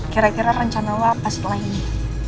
kira kira rencana lo apa setelah ini